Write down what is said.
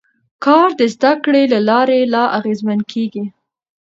کار د زده کړې له لارې لا اغېزمن کېږي